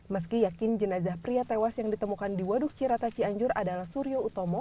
meski yakin jenazah pria tewas yang ditemukan di waduk cirata cianjur adalah suryo utomo